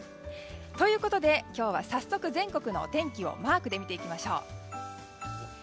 ということで、今日は早速全国のお天気をマークで見ていきましょう。